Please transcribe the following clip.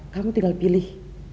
kamu tinggal pilih